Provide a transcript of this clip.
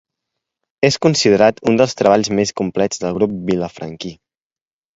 És considerat un dels treballs més complets del grup vilafranquí.